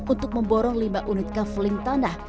untuk memborong lima unit kaveling tanah